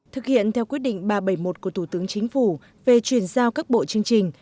thực hiện theo quyết định ba trăm bảy mươi một của thủ tướng chính phủ về chuyển giao các bộ chương trình